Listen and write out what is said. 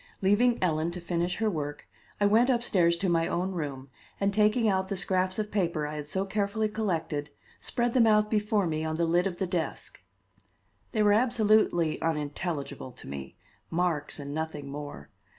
Leaving Ellen to finish her work, I went upstairs to my own room, and, taking out the scraps of paper I had so carefully collected, spread them out before me on the lid of the desk. They were absolutely unintelligible to me marks and nothing more.